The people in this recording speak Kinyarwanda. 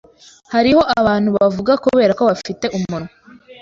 Hariho abantu bavuga kuberako bafite umunwa.